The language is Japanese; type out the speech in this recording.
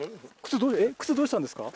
靴どうしたんですか？